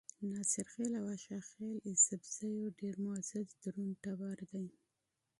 ناصرخېل د اشاخېل ايسپزو ډېر معزز او درون ټبر دے۔